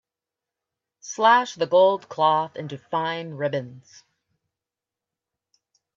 Slash the gold cloth into fine ribbons.